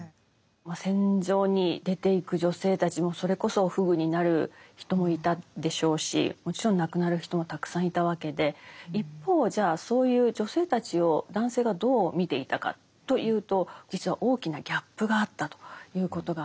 戦場に出ていく女性たちもそれこそ不具になる人もいたでしょうしもちろん亡くなる人もたくさんいたわけで一方じゃあそういう女性たちを男性がどう見ていたかというと実は大きなギャップがあったということが分かってきます。